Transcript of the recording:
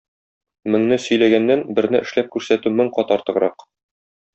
Меңне сөйләгәннән берне эшләп күрсәтү мең кат артыграк.